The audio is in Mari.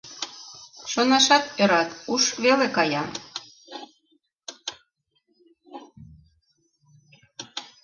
Шонашат ӧрат, уш веле кая...